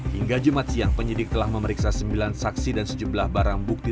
hingga jumat siang penyidik telah memeriksa sembilan saksi dan sejumlah barang bukti